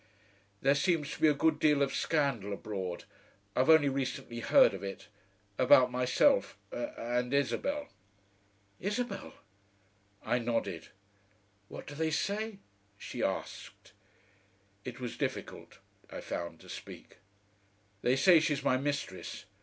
"There seems to be a good deal of scandal abroad I've only recently heard of it about myself and Isabel." "Isabel!" I nodded. "What do they say?" she asked. It was difficult, I found, to speak. "They say she's my mistress."